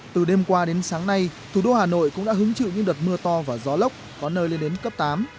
từ đêm qua đến sáng nay thủ đô hà nội cũng đã hứng chịu những đợt mưa to và gió lốc có nơi lên đến cấp tám